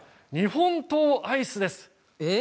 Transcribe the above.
日本刀アイスです。